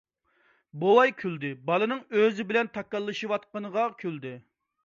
بوۋاي كۈلدى، بالىنىڭ ئۆزى بىلەن تاكاللىشىۋاتقىنىغا كۈلدى.